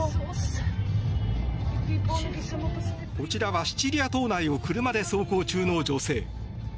こちらはシチリア島内を車で走行中の女性。